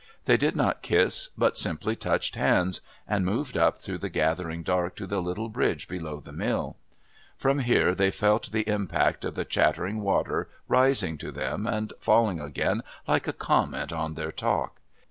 They did not kiss, but simply touched hands and moved up through the gathering dark to the little bridge below the mill. From here they felt the impact of the chattering water rising to them and falling again like a comment on their talk.